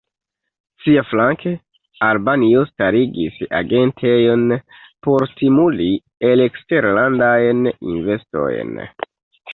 Siaflanke, Albanio starigis agentejon por stimuli eleksterlandajn investojn.